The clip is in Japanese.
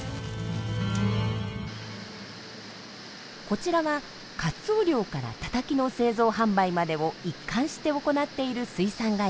こちらはカツオ漁からたたきの製造・販売までを一貫して行っている水産会社。